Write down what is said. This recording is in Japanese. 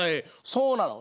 そうなの。